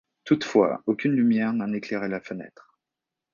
Toutefois, aucune lumière n’en éclairait la fenêtre.